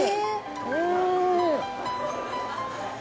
うん！